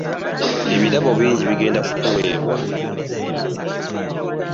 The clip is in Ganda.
Ebirabo bingi bigenda kutuweebwa.